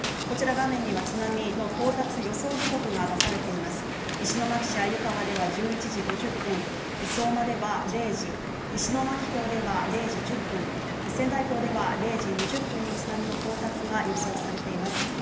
こちら画面には津波の到達予想時刻が出されています石巻市鮎川では１１時５０分相馬では０時石巻港では０時１０分仙台港では０時２０分に津波の到達が予想されています。